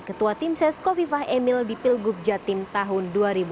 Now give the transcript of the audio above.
ketua tim ses kofifah emil di pilgub jatim tahun dua ribu delapan belas